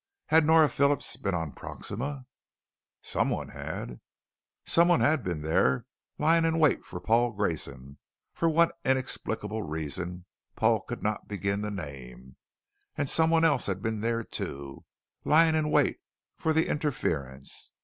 Had Nora Phillips been on Proxima? Someone had! Someone had been there, lying in wait for Paul Grayson for what inexplicable reason Paul could not begin to name. And someone else had been there, too, lying in wait for the interference.